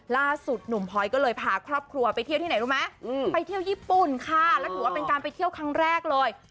ล่าสุดหนุ่มพลอยก็เลยพาครอบครัวไปเที่ยวที่ไหนรู้ไหมไปเที่ยวญี่ปุ่นค่ะแล้วถือว่าเป็นการไปเที่ยวครั้งแรกเลย